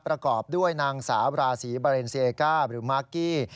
ประกอบด้วยนางสาวบราศีบาเรนเซเอก้าหรือมากกี้